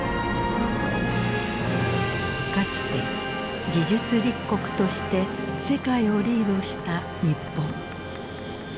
かつて技術立国として世界をリードした日本。